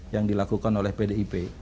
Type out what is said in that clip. yang dilakukan oleh pdip